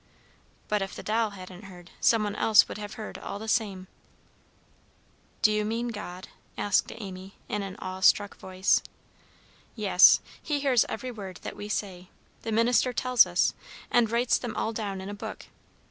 "But if the doll hadn't heard, some one would have heard all the same." "Do you mean God?" asked Amy, in an awe struck voice. "Yes. He hears every word that we say, the minister tells us, and writes them all down in a book.